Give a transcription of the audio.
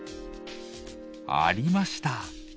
ありました。